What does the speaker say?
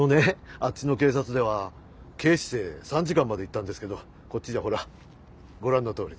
あっちの警察では警視正参事官までいったんですけどこっちじゃほらご覧のとおりで。